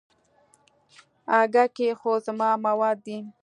اگه کې خو زما مواد دي.